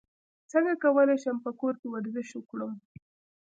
څنګه کولی شم په کور کې ورزش وکړم